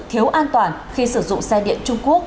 thiếu an toàn khi sử dụng xe điện trung quốc